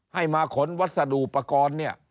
ให้มาขนวัสดุประกอบเนี่ย